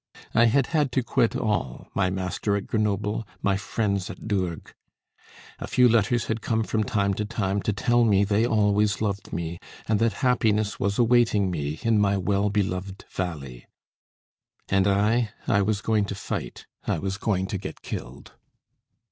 I had had to quit all, my master at Grenoble, my friends at Dourgues. A few letters had come from time to time to tell me they always loved me, and that happiness was awaiting me in my well beloved valley. And I, I was going to fight, I was going to get killed.